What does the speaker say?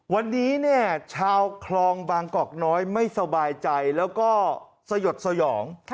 วันนี้เนี่ยชาวคลองบางกอกน้อยไม่สบายใจแล้วก็สยดสยอง